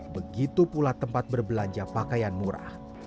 begitu pula tempat berbelanja pakaian murah